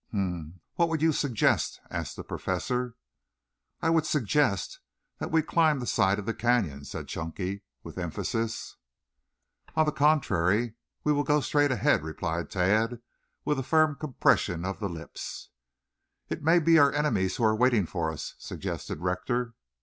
"Hm m m. What would you suggest?" asked the Professor. "I would suggest that we climb the side of the canyon," said Chunky with emphasis. "On the contrary, we will go straight ahead," replied Tad with a firm compression of the lips. "It may be our enemies who are waiting for us," suggested Rector.